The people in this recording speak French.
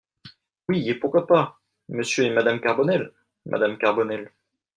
Oui, et pourquoi pas "Monsieur et madame Carbonel ?" Madame Carbonel.